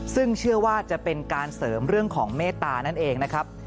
ซึ่งเชื่อว่าจะเป็นการเสริมเรื่องของเมตตานั่นเองนะครับ